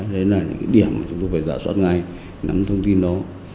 đấy là những điểm mà chúng tôi phải rà soát ngay nắm thông tin đó